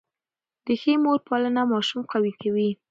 د ښې مور پالنه ماشوم قوي کوي.